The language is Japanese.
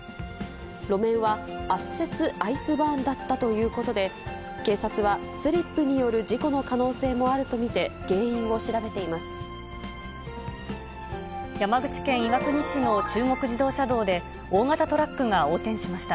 路面は圧雪アイスバーンだったということで、警察はスリップによる事故の可能性もあると見て、原因を調べてい山口県岩国市の中国自動車道で、大型トラックが横転しました。